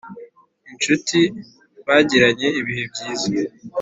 inshuti bagiranye ibihe byiza